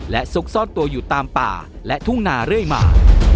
และซุกซ่อนตัวอยู่ตามป่าและทุ่งนาเรื่อยมา